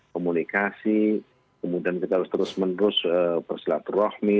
komunikasi kemudian kita harus terus menerus bersilaturahmi